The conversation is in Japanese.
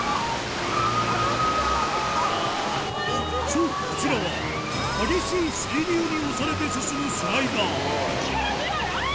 そうこちらは激しい水流に押されて進むスライダー力強い！